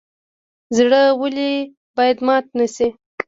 زړه ولې باید مات نشي؟